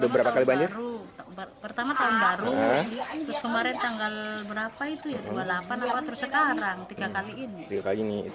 pertama kali baru pertama tahun baru terus kemarin tanggal berapa itu ya dua puluh delapan apa terus sekarang tiga kali ini